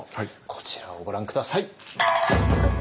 こちらをご覧下さい。